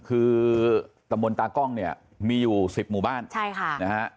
คือตำบลตากล้องเนี่ยมีอยู่สิบหมู่บ้านใช่ค่ะนะฮะ